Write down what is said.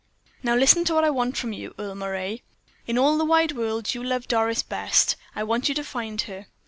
"Now listen to what I want from you, Earle Moray. In all the wide world; you love Doris best; I want you to find her.